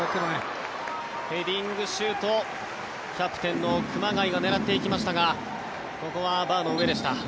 ヘディングシュートキャプテンの熊谷が狙っていきましたがここはバーの上でした。